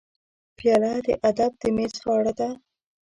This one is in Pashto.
پیاله د ادب د میز غاړه ده.